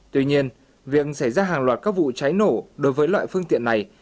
tuy nhiên việc xảy ra hàng loạt các vụ cháy nổ đối với loại phương tiện này